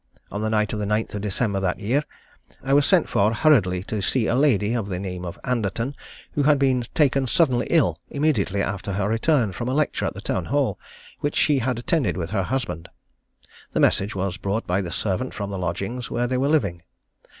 On the night of the 9th of December in that year, I was sent for hurriedly to see a lady, of the name of Anderton, who had been taken suddenly ill immediately after her return from a lecture at the Town hall, which she had attended with her husband. The message was brought by the servant from the lodgings where they were living.